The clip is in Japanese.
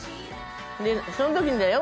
その時にだよ